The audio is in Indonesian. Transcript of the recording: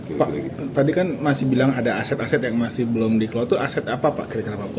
pak tadi kan masih bilang ada aset aset yang masih belum dikelot aset apa pak